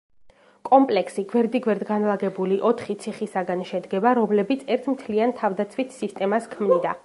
კომპლექსი გვერდიგვერდ განლაგებული ოთხი ციხისაგან შედგება, რომლებიც ერთ მთლიან თავდაცვით სისტემას ქმნიდა.